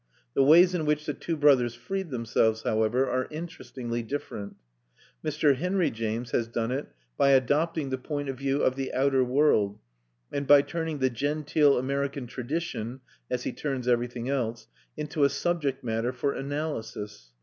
The ways in which the two brothers freed themselves, however, are interestingly different. Mr. Henry James has done it by adopting the point of view of the outer world, and by turning the genteel American tradition, as he turns everything else, into a subject matter for analysis.